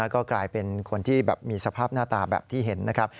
ก็กลายเป็นคนที่แบบมีสภาพหน้าตาแบบที่เห็นนะครับ